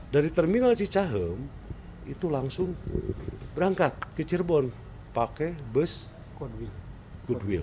dari terminal cicahem itu langsung berangkat ke cirebon pakai bus goodwill